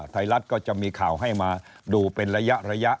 ไทยรัฐก็จะมีข่าวให้มาดูเป็นระยะ